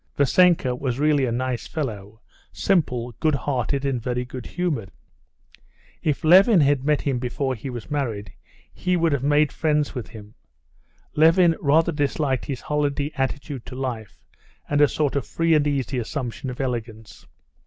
Vassenka was really a nice fellow, simple, good hearted, and very good humored. If Levin had met him before he was married, he would have made friends with him. Levin rather disliked his holiday attitude to life and a sort of free and easy assumption of elegance.